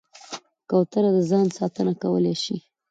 کوتره د ځان ساتنه کولی شي.